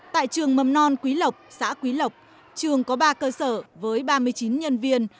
tại trường mầm non quý lộc xã quý lộc trường có ba cơ sở với ba mươi chín nhân viên